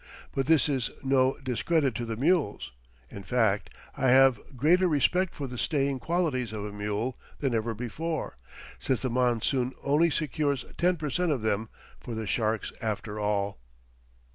But this is no discredit to the mules; in fact, I have greater respect for the staying qualities of a mule than ever before, since the monsoon only secures ten per cent of them for the sharks after all.